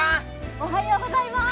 おはようございまーす。